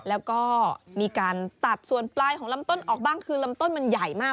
แล้วก็มีการตัดส่วนปลายของลำต้นออกบ้างคือลำต้นมันใหญ่มาก